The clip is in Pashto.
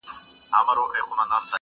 ؛د هر اواز سره واخ، واخ پورته کړي؛